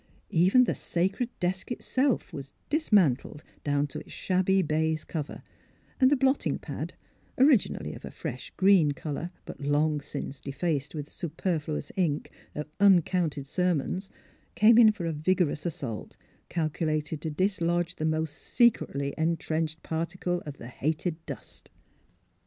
Even the sacred desk itself was dismantled down to its shabby baize cover, and the blotting pad, originally of a fresh green colour, but long since defaced with the superfluous ink of un counted sermons came in for a vigorous assault calculated to dislodge the most secretly intrenched particle of the hated dust.